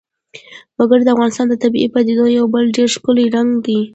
وګړي د افغانستان د طبیعي پدیدو یو بل ډېر ښکلی رنګ دی.